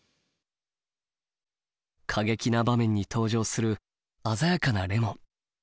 過激な場面に登場する鮮やかなレモン。